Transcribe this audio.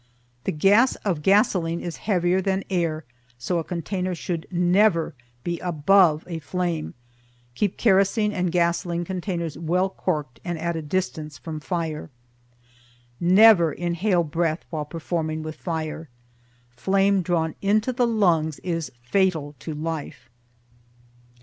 The gas of gasoline is heavier than air, so a container should never be held ABOVE a flame. Keep kerosene and gasoline containers well corked and at a distance from fire. Never inhale breath while performing with fire. FLAME DRAWN INTO THE LUNGS IS FATAL TO LIFE.